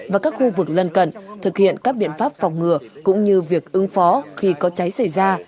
và các khu vực lân cận thực hiện các biện pháp phòng ngừa cũng như việc ứng phó khi có cháy xảy ra